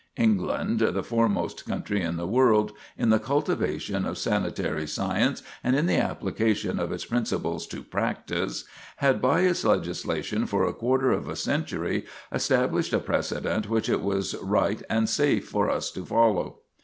England, the foremost country in the world in the cultivation of sanitary science and in the application of its principles to practice, had by its legislation for a quarter of a century established a precedent which it was right and safe for us to follow.